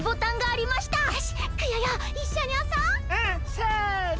せの。